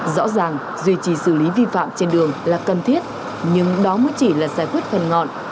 rõ ràng duy trì xử lý vi phạm trên đường là cần thiết nhưng đó mới chỉ là giải quyết phần ngọn